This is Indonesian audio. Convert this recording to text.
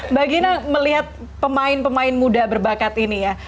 mbak gina melihat pemain pemain muda berbakat ini ya